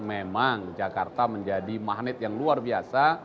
memang jakarta menjadi magnet yang luar biasa